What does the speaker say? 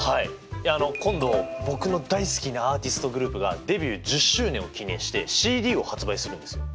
いやあの今度僕の大好きなアーティストグループがデビュー１０周年を記念してＣＤを発売するんですよ！